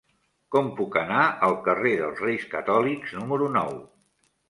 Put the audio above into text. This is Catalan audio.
Com puc anar al carrer dels Reis Catòlics número nou?